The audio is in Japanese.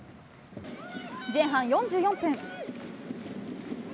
前半４４分。